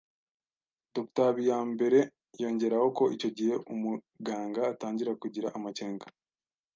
Dr Habiyambere yongeraho ko icyo gihe umuganga atangira kugira amakenga